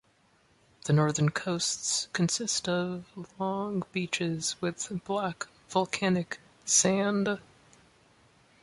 The northern coasts consist of long beaches with black volcanic sand.